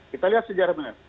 kita lihat sejarah benar